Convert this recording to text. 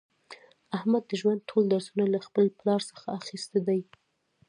احمد د ژوند ټول درسونه له خپل پلار څخه اخیستي دي.